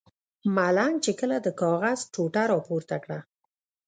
ملنګ چې کله د کاغذ ټوټه را پورته کړه.